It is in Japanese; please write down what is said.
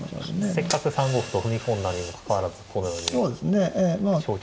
せっかく３五歩と踏み込んだにもかかわらずこれより消極的な形になるのは。